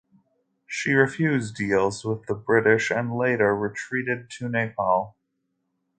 She refused deals with the British and later retreated to Nepal.